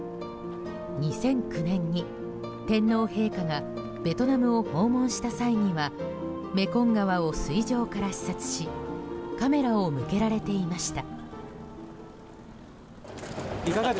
２００９年に天皇陛下がベトナムを訪問した際にはメコン川を水上から視察しカメラを向けられていました。